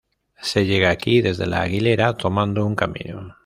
Se llega aquí desde La Aguilera, tomando un camino.